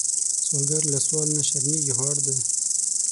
سوالګر له سوال نه شرمېږي، خو اړ دی